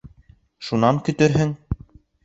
Шунан көтөрһөң.